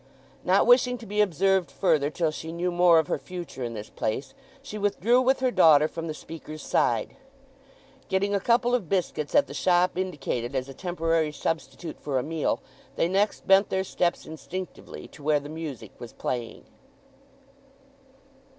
Not wishing to be observed further till she knew more of her future in this place, she withdrew with her daughter from the speaker's side. Getting a couple of biscuits at the shop indicated as a temporary substitute for a meal, they next bent their steps instinctively to where the music was playing.